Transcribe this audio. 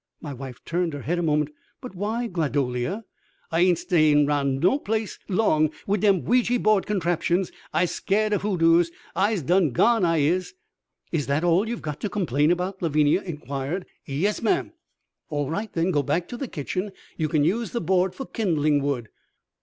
My wife turned her head a moment. "But why, Gladolia?" "I ain't stayin' round no place 'long wid dem Ouija board contraptions. I'se skeered of hoodoos. I's done gone, I is." "Is that all you've got to complain about?" Lavinia inquired. "Yes, ma'am." "All right, then. Go back to the kitchen. You can use the board for kindling wood."